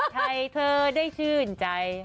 ใช้เธอหน้าชื่นใจ